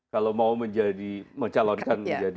kalau mau mencalonkan menjadi